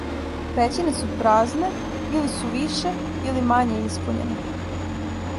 Пећине су празне или су више или мање испуњене.